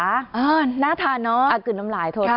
อ่าน่าทานเนอะอ่ะคืนน้ำหลายโทษค่ะ